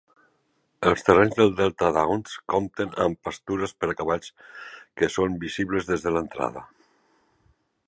Els terrenys de Delta Downs compten amb pastures per a cavalls que són visibles des de l'entrada.